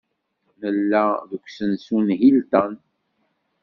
Nella deg usensu n Hilton.